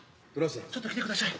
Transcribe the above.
ちょっと来てくだしゃい。